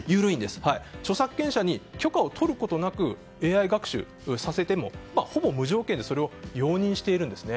著作権者に許可を取ることなくＡＩ学習させてもほぼ無条件でそれを容認しているんですね。